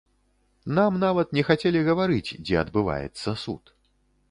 Нам нават не хацелі гаварыць, дзе адбываецца суд.